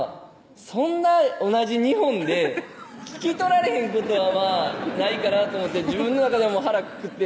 そんな同じ日本で聞き取られへんことはまぁないかなと思って自分の中では腹くくって